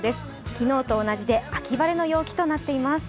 昨日と同じで秋晴れとなっています。